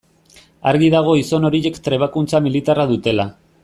Argi dago gizon horiek trebakuntza militarra dutela.